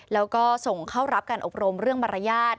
แล้วก็ส่งเข้ารับการอบรมเรื่องมารยาท